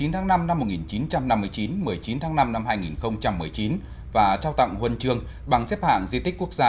một mươi tháng năm năm một nghìn chín trăm năm mươi chín một mươi chín tháng năm năm hai nghìn một mươi chín và trao tặng huân chương bằng xếp hạng di tích quốc gia